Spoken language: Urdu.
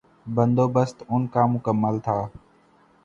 بندوبست ان کا مکمل تھا۔